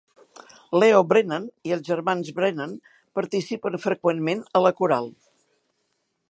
Leo Brennan i els germans Brennan participen freqüentment a la coral.